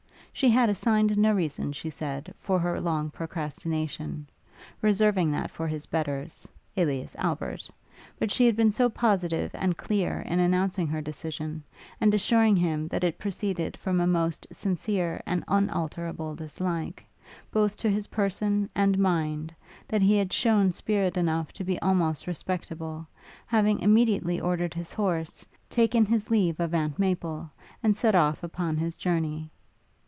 She had assigned no reason, she said, for her long procrastination, reserving that for his betters, alias Albert; but she had been so positive and clear in announcing her decision, and assuring him that it proceeded from a most sincere and unalterable dislike, both to his person and mind, that he had shewn spirit enough to be almost respectable, having immediately ordered his horse, taken his leave of Aunt Maple, and set off upon his journey.